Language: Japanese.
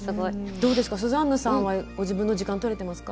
どうですかスザンヌさんはご自分の時間とれてますか？